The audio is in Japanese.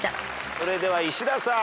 それでは石田さん。